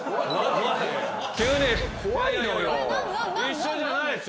一緒じゃないっすよ。